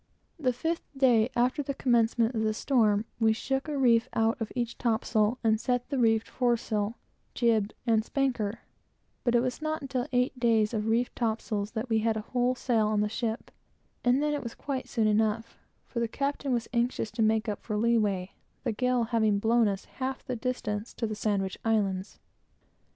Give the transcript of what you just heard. The fifth day after the commencement of the storm, we shook a reef out of each topsail, and set the reefed foresail, jib and spanker; but it was not until after eight days of reefed topsails that we had a whole sail on the ship; and then it was quite soon enough, for the captain was anxious to make up for leeway, the gale having blown us half the distance to the Sandwich Islands.